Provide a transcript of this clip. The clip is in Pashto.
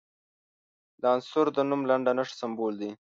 د عنصر د نوم لنډه نښه سمبول دی.